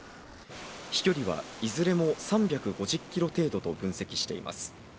飛距離はいずれも３５０キロ程度と分析されています。